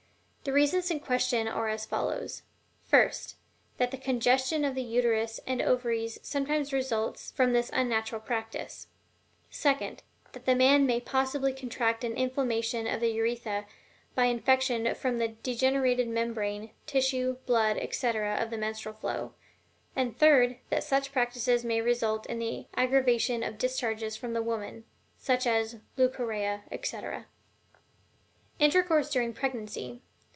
The reasons in question are as follows: first, that congestion of the Uterus and Ovaries sometimes results from this unnatural practice; second, that the man may possibly contract an inflammation of the urethra by infection from the degenerated membrane, tissue, blood, etc., of the menstrual flow; and third, that such practices may result in the aggravation of discharges from the woman, such as leucorrhea, etc. INTERCOURSE DURING PREGNANCY.